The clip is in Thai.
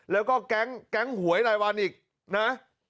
แล้วก็แก๊งหวยรายวันอีกนะ